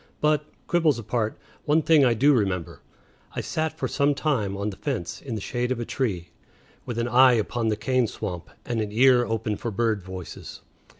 But, quibbles apart, one thing I do remember: I sat for some time on the fence, in the shade of a tree, with an eye upon the cane swamp and an ear open for bird voices.